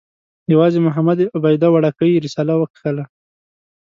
یوازې محمد عبده وړکۍ رساله وکښله.